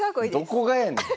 どこがやねん。